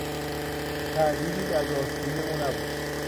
تردیدی در راستگویی او نبود.